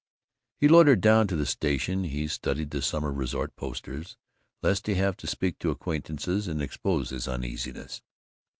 He loitered down to the station; he studied the summer resort posters, lest he have to speak to acquaintances and expose his uneasiness.